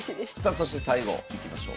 そして最後いきましょう。